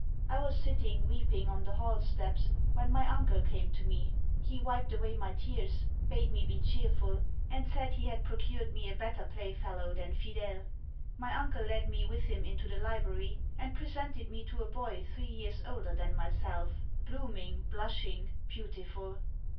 I was sitting weeping on the hall steps when my uncle came to me. He wiped away my tears; bade me be cheerful; and said he had procured me a better play fellow than Fidelle. My uncle led me with him into the library; and presented me to a boy three years older than myself, blooming, blushing, beautiful.